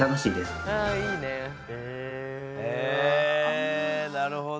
へえなるほど。